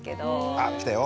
あ来たよ